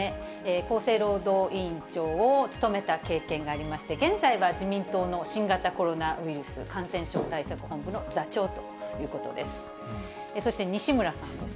厚生労働委員長を務めた経験がありまして、現在は自民党の新型コロナウイルス感染症対策本部の座長ということです。